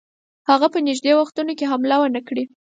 هغه په نیژدې وختونو کې حمله ونه کړي.